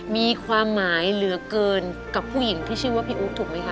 มีความหมายเหลือเกินกับผู้หญิงที่ชื่อว่าพี่อู๋ถูกไหมคะ